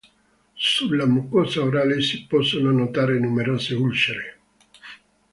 Sulla mucosa orale si possono notare numerose ulcere.